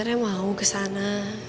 beneran mau kesana